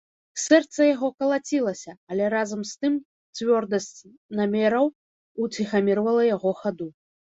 Сэрца яго калацілася, але разам з тым цвёрдасць намераў уціхамірвала яго хаду.